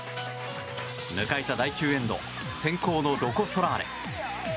迎えた第９エンド先攻のロコ・ソラーレ。